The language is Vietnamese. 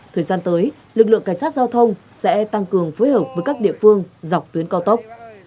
thời gian tới lực lượng cảnh sát giao thông sẽ tăng cường phối hợp với các địa phương dọc tuyến cao tốc